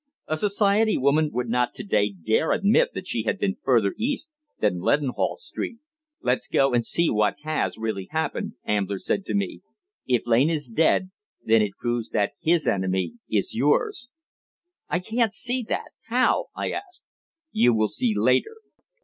A society woman would not to day dare admit that she had been further east than Leadenhall Street. "Let's go and see what has really happened," Ambler said to me. "If Lane is dead, then it proves that his enemy is yours." "I can't see that. How?" I asked. "You will see later.